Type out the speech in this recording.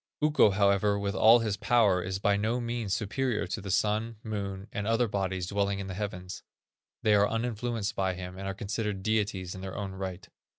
Ukko, however, with all his power, is by no means superior to the Sun, Moon, and other bodies dwelling in the heavens; they are uninfluenced by him, and are considered deities in their own right.